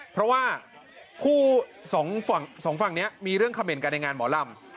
เพราะว่าคู่สองฝั่งสองฝั่งเนี้ยมีเรื่องคำเห็นกันในงานหมอลำ